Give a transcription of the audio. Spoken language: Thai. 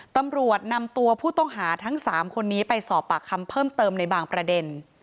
ตำรวจนำตัวผู้ต้องหาทั้ง๓คนนี้ไปสอบปากคำเพิ่มเติมในบางประเด็น